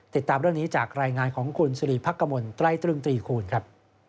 ติดตามเรื่องนี้จากรายงานของคุณสิริพักกมลไตรตรึงตรีคูณครับ